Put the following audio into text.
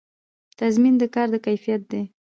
تضمین د کار د کیفیت دی